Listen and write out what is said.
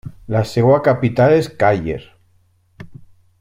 La seva capital és Càller.